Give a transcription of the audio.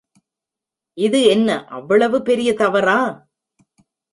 இது என்ன அவ்வளவு பெரிய தவறா?